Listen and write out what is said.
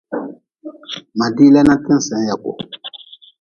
Ma dila na ti-n sen yaku.